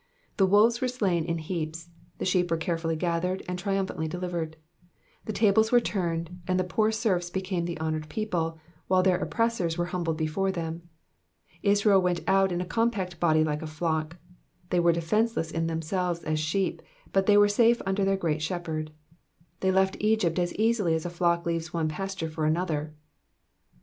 The wolves were slain in heaps, the sheep were carefully gathered, and triumphantly delivered. The tables were turned, and the poor serfs became the honoured people, while their oppressors were humbled before them. Israel went out in a compact body like a nock ; they were defenceless in themselves as sheep, but they were safe under their Great Shepherd ; they left Egypt as easily as a flock leaves one pasture for another.